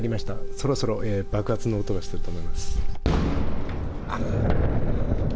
そろそろ爆発の音がすると思います。